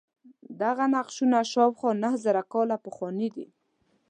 دغه نقشونه شاوخوا نهه زره کاله پخواني دي.